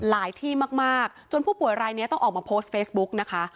ที่มากจนผู้ป่วยรายนี้ต้องออกมาโพสต์เฟซบุ๊กนะคะ